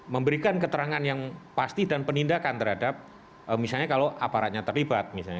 memberikan keterangan yang pasti dan penindakan terhadap misalnya kalau aparatnya terlibat misalnya